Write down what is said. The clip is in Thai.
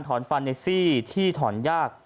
ฟันในซี่ที่ถอนยาก